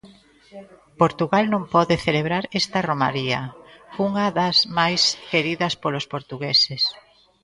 Portugal non pode celebrar esta romaría, unha das máis queridas polos portugueses.